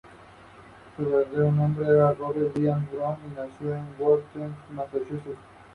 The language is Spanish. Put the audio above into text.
Esta canción junto con su disco tuvieron críticas favorables por medios.